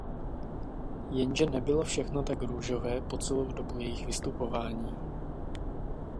Jenže nebylo všechno tak růžové po celou dobu jejich vystupování.